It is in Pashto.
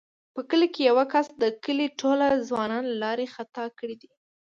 په کلي کې یوه کس د کلي ټوله ځوانان له لارې خطا کړي دي.